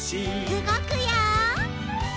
うごくよ！